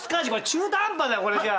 中途半端だよこれじゃ。